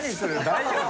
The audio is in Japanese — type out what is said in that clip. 大丈夫？